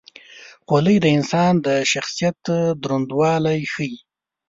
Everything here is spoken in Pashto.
خولۍ د انسان د شخصیت دروندوالی ښيي.